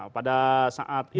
pada saat itu